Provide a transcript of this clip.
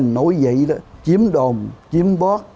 nổi dậy đó chiếm đồn chiếm bót